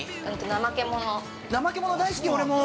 ◆ナマケモノ、大好き、俺も。